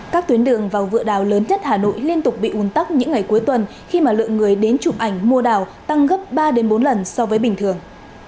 các tuyến đường vào vựa đào lớn nhất hà nội liên tục bị ùn tắc những ngày cuối tuần khi mà lượng người đến chụp ảnh mua đảo tăng gấp ba bốn lần so với bình thường